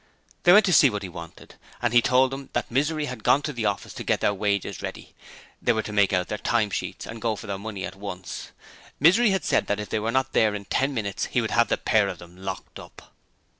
They went out to see what he wanted, and he told them that Misery had gone to the office to get their wages ready: they were to make out their time sheets and go for their money at once. Misery had said that if they were not there in ten minutes he would have the pair of them locked up.